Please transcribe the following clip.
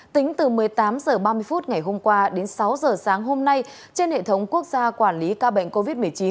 tính từ một mươi tám h ba mươi ngày hôm qua đến sáu h sáng hôm nay trên hệ thống quốc gia quản lý ca bệnh covid một mươi chín